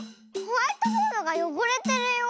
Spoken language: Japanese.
ホワイトボードがよごれてるよ。